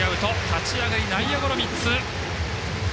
立ち上がり、内野ゴロ３つ。